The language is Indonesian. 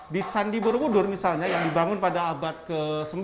di candi borobudur misalnya yang dibangun pada abad ke sembilan